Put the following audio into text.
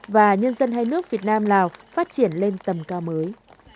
và nhân dân hai nước việt nam lào phát triển lên tầm cao mới